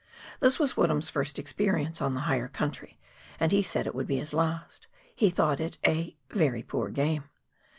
This was "Woodhara's first experience on the higher country, and he said it would be his last. He thought it a "Very poor game."